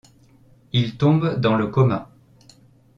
Il tombe dans le coma.